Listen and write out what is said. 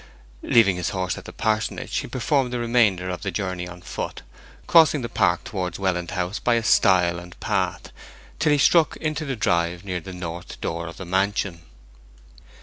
Leaving his horse at the parsonage he performed the remainder of the journey on foot, crossing the park towards Welland House by a stile and path, till he struck into the drive near the north door of the mansion.